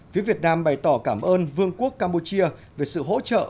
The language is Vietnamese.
phía việt nam bày tỏ cảm ơn vương quốc campuchia về sự hỗ trợ